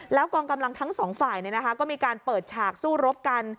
แล้วกองกำลังทั้งสองฝ่ายก็มีการเปิดฉากสู้รบกัน